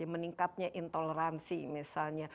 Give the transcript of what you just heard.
meningkatnya intoleransi misalnya